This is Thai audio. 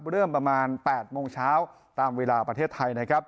เริ่มประมาณ๘โมงเช้าตามเวลาประเทศไทยนะครับ